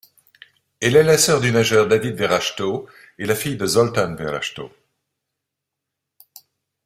Elle est la sœur du nageur Dávid Verrasztó et la fille de Zoltán Verrasztó.